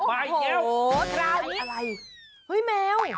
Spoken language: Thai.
โอ้โฮคราวนี้อะไรเฮ้ยแมว